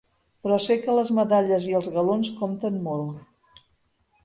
Però sé que les medalles i els galons compten molt.